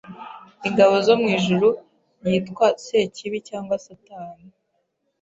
ingabo zo mwijuru yitwa Sekibi cyangwa Satani